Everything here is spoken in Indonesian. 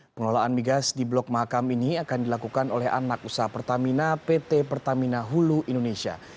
pengelolaan migas di blok mahakam ini akan dilakukan oleh anak usaha pertamina pt pertamina hulu indonesia